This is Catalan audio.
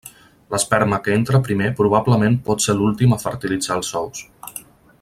L'esperma que entra primer probablement pot ser l'últim a fertilitzar els ous.